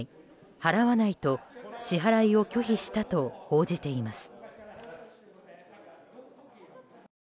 払わないと支払いを拒否したと報じられています。